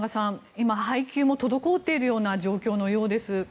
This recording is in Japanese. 今、配給も滞っているような状況のようです。